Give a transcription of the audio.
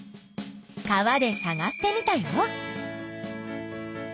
川でさがしてみたよ。